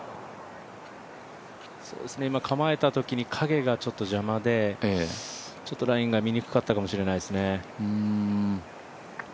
構えたときに影がちょっと邪魔でちょっとラインが見にくかったかもしれないですね。